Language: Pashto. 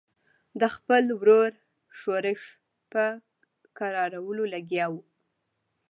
د خپل ورور ښورښ په کرارولو لګیا وو.